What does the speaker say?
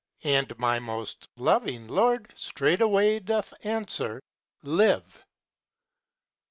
And my most loving Lord straightway Doth answer, "Live!"